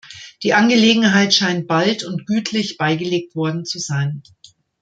Die Angelegenheit scheint bald und gütlich beigelegt worden zu sein.